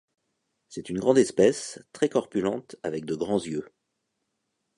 C'est une grande espèce, très corpulentes avec de grands yeux.